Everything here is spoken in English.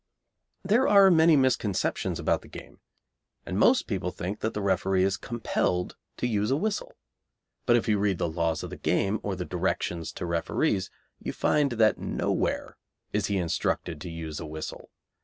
There are many misconceptions about the game, and most people think that the referee is compelled to use a whistle. But if you read the laws of the game or the directions to referees, you find that nowhere is he instructed to use a whistle.